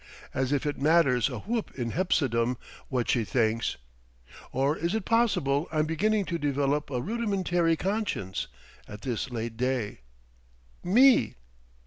As if it matters a whoop in Hepsidam what she thinks!... Or is it possible I'm beginning to develop a rudimentary conscience, at this late day? Me!..."